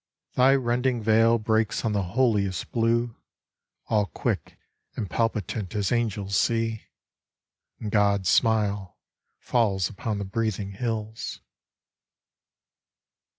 Thy rending veil breaks on the holiest blue, All quick and palpitant as angels see, And God's smile falls upon the breathing hills.